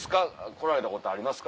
来られたことありますか？